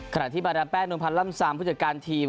ขณะที่บาดามแป้งนวลพันธ์ล่ำซามผู้จัดการทีม